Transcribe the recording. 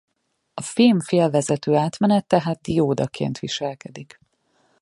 A fém-félvezető átmenet tehát diódaként viselkedik.